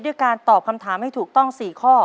ด้วยการตอบคำถามให้ถูกต้อง๔ข้อ